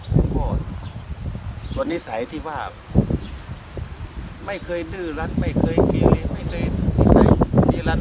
ผมก็ส่วนนิสัยที่ว่าไม่เคยดื้อรัดไม่เคยเกเรไม่เคยนิสัยดีรัด